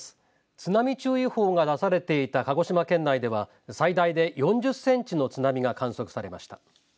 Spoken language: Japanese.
津波注意報が出されていた鹿児島県内では最大で４０センチの津波が観測されました。